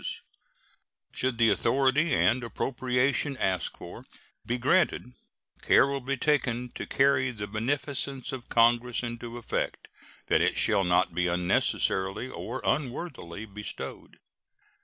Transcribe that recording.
Should the authority and appropriation asked for be granted, care will be taken so to carry the beneficence of Congress into effect that it shall not be unnecessarily or unworthily bestowed.